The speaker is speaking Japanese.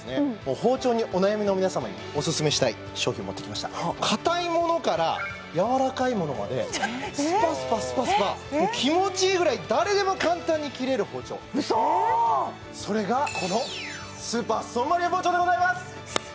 包丁にお悩みの皆様にオススメしたい商品持ってきました硬いものからやわらかいものまでスパスパスパスパ気持ちいいぐらい誰でも簡単に切れる包丁それがこのスーパーストーンバリア包丁でございます！